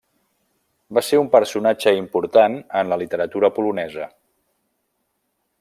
Va ser un personatge important en la literatura polonesa.